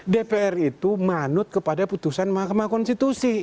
dpr itu manut kepada putusan mahkamah konstitusi